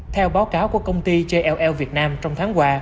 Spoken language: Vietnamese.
theo báo cáo của công ty jll việt nam trong tháng qua